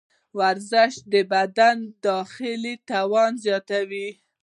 ورزش د بدن داخلي توان زیاتوي.